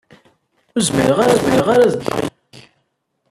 Ur zmireɣ ara ad dduɣ yid-k.